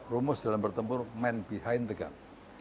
rumus dalam bertempur man behind the gun